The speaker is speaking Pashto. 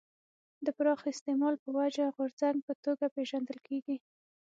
د پراخ استعمال په وجه غورځنګ په توګه پېژندل کېږي.